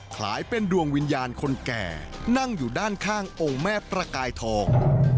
คล้ายเป็นดวงวิญญาณคนแก่นั่งอยู่ด้านข้างองค์แม่ประกายทอง